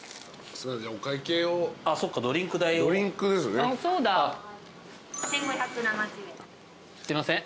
すいません。